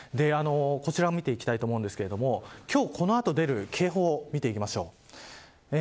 こちらを見ていきたいと思うんですが今日、この後出る警報を見ていきます。